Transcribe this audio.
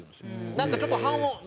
なんかちょっと半音。